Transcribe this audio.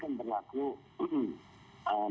karena kita tidak bisa mencari